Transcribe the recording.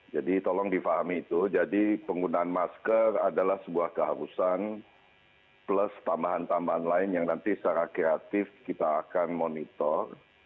jadi tolong dipahami itu jadi penggunaan masker adalah sebuah keharusan plus tambahan tambahan lain yang nanti secara kreatif kita akan monitor